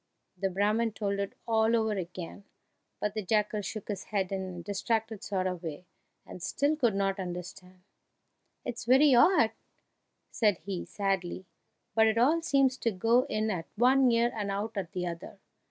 The Brahman told it all over again, but the jackal shook his head in a distracted sort of way, and still could not understand. "It's very odd," said he, sadly, "but it all seems to go in at one ear and out at the other!